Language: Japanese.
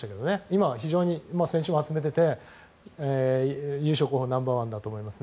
今、非常に選手を集めてて優勝候補ナンバー１だと思います。